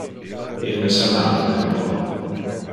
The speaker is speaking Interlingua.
Ille sanava de novo.